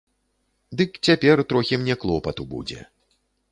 Дык цяпер трохі мне клопату будзе.